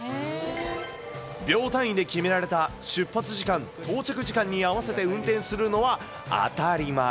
秒単位で決められた出発時間、到着時間に合わせて運転するのは当たり前。